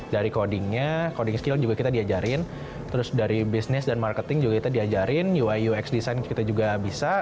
dari codingnya coding skill juga kita diajarin terus dari bisnis dan marketing juga kita diajarin ui ux design kita juga bisa